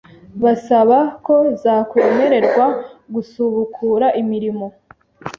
basaba ko zakwemererwa gusubukura imirimo